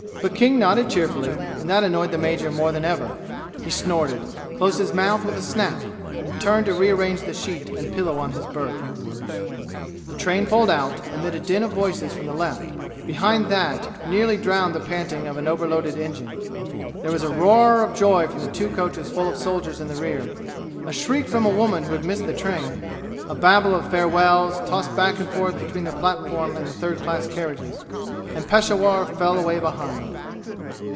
But King nodded cheerfully, and that annoyed the major more than ever; he snorted, closed his mouth with a snap and turned to rearrange the sheet and pillow on his berth. Then the train pulled out, amid a din of voices from the left behind that nearly drowned the panting of overloaded engine. There was a roar of joy from the two coaches full of soldiers in the rear a shriek from a woman who had missed the train a babel of farewells tossed back and forth between the platform and the third class carriages and Peshawur fell away behind.